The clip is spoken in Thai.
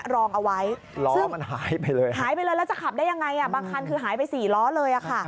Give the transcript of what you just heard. แล้วจะขับยังไงบางคันคือหายไป๔ล้อเลย